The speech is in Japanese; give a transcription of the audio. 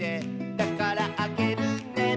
「だからあげるね」